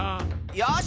よし！